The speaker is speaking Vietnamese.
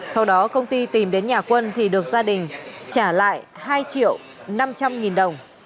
sau đó công ty tìm đến nhà quân thì được gia đình trả lại hai triệu năm trăm linh nghìn đồng